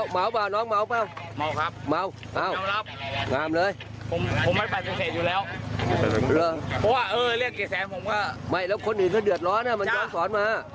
ไม่แล้วคนอื่นเขาเดือดร้อน